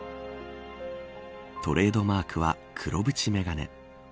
トレードマークは黒縁メガネ。